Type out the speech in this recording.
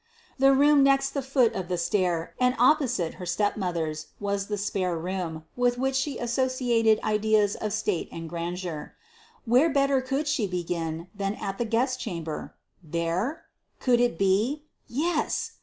The room next the foot of the stair, and opposite her step mother's, was the spare room, with which she associated ideas of state and grandeur: where better could she begin than at the guest chamber? There! Could it be? Yes!